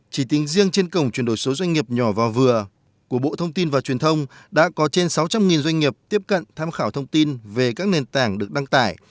chỉ tính riêng trên cổng chuyển đổi số doanh nghiệp nhỏ và vừa của bộ thông tin và truyền thông đã có trên sáu trăm linh doanh nghiệp tiếp cận tham khảo thông tin về các nền tảng được đăng tải